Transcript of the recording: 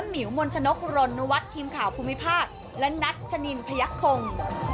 และหมิวมลชนกฯโรนวัตถ์ทีมข่าวภูมิภาคและนัทชานินพระยักษ์คลง